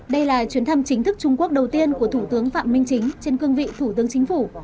đây là chuyến thăm chính thức trung quốc đầu tiên của thủ tướng phạm minh chính trên cương vị thủ tướng chính phủ